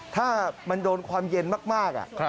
ถ้ามันโดนความเย็นมาก